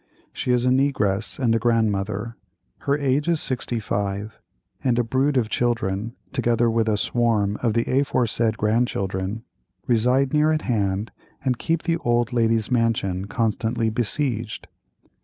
She is a negress and a grandmother—her age is 65, and a brood of children, together with a swarm of the aforesaid grandchildren, reside near at hand and keep the old lady's mansion constantly besieged.